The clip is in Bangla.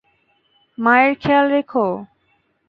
মায়ের খেয়াল রেখো।